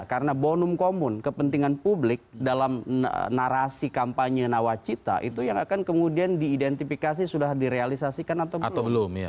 karena bonum komun kepentingan publik dalam narasi kampanye nawacita itu yang akan kemudian diidentifikasi sudah direalisasikan atau belum